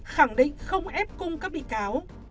khẳng định không ép cung các bị cáo